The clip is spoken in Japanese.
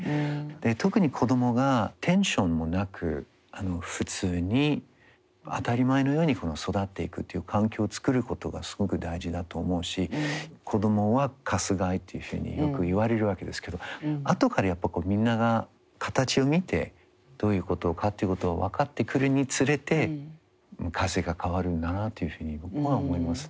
特に子供がテンションもなく普通に当たり前のように育っていくという環境をつくることがすごく大事だと思うし子供は鎹というふうによく言われるわけですけどあとからやっぱみんなが形を見てどういうことかっていうことを分かってくるにつれて風が変わるんだなというふうに僕は思いますね。